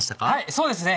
そうですね。